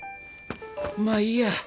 まあいいや。